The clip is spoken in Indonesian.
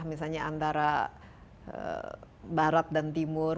misalnya antara barat dan timur